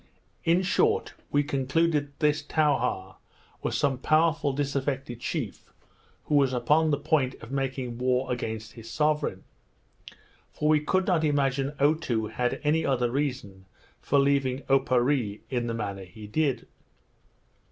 In short, we concluded that this Towha was some powerful disaffected chief, who was upon the point of making war against his sovereign; for we could not imagine Otoo had any other reason for leaving Oparree in the manner he did.